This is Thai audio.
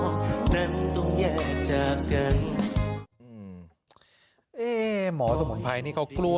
โอ้โหขอบคุณครับ